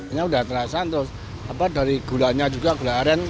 ini udah terasa terus dari gulanya juga gula aren